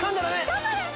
頑張れ！